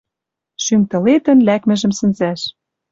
Шӱм тылетӹн лӓкмӹжӹм сӹнзӓш.